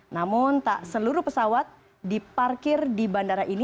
namun tak seluruh pesawat diparkir di bandara ini